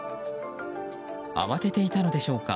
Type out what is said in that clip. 慌てていたのでしょうか